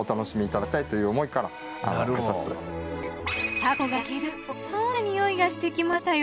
たこが焼ける美味しそうなにおいがしてきましたよ。